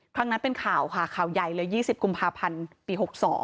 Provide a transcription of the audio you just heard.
ครั้งนั้นเป็นข่าวค่ะข่าวใหญ่เลย๒๐กุมภาพันธ์ปี๖๒